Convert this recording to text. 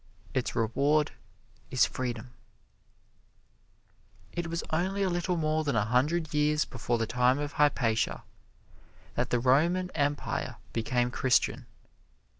Its reward is Freedom. It was only a little more than a hundred years before the time of Hypatia that the Roman Empire became Christian.